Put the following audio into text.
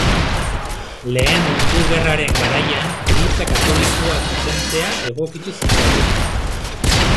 Lehen Mundu Gerraren garaian eliza katolikoa zuzentzea egokitu zitzaion.